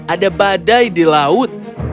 ada badai di laut